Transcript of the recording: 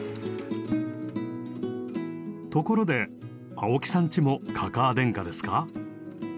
ところで青木さんちも「かかあ天下」ですか？